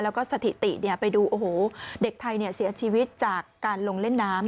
แล้วก็สถิติไปดูโอ้โหเด็กไทยเสียชีวิตจากการลงเล่นน้ำ